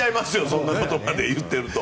そんなことまで言ってると。